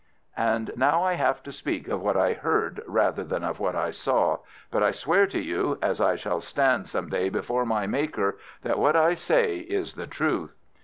And now I have to speak of what I heard rather than of what I saw, but I swear to you, as I shall stand some day before my Maker, that what I say is the truth.